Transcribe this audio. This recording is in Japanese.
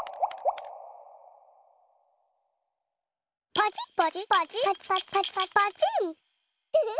パチパチパチパチ。